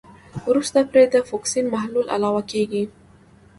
وروسته پرې د فوکسین محلول علاوه کیږي.